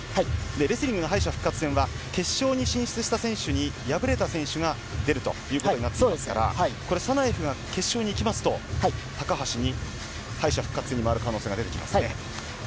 レスリングの敗者復活戦は、決勝に進出した選手に敗れた選手が出るということになっていますから、これ、サナエフが決勝に行きますと、高橋に敗者復活に回るそうですね。